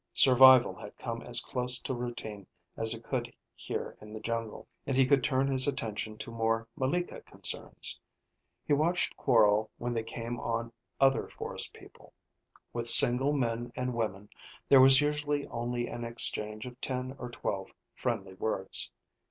Survival had come as close to routine as it could here in the jungle, and he could turn his attention to more malika concerns. He watched Quorl when they came on other forest people. With single men and women there was usually only an exchange of ten or twelve friendly words.